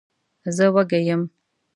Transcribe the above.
زه وږی یم.